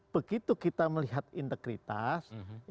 begitu kita melihat integritas